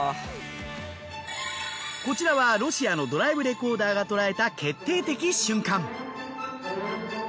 こちらはロシアのドライブレコーダーが捉えた決定的瞬間。